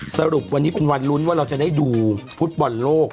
สรุปวันนี้เป็นวันลุ้นว่าเราจะได้ดูฟุตบอลโลก